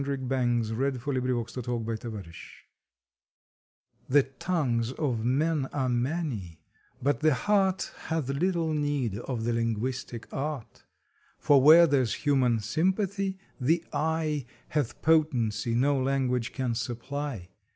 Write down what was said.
October Twenty fourth THE UNIVERSAL LANGUAGE T^HE tongues of men are many, but the heart Hath little need of the linguistic art, For where there s human sympathy the Eye Hath potency no language can supply.